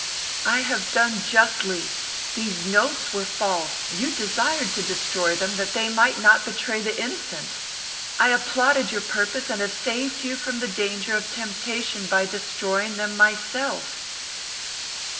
"I have done justly. These notes were false. You desired to destroy them, that they might not betray the innocent. I applauded your purpose, and have saved you from the danger of temptation by destroying them myself."